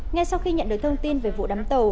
ngay sau khi nhận được thông tin về vụ đám tàu